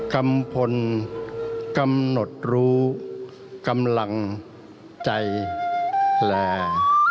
กัมพลกำหนดรู้กำลังใจลา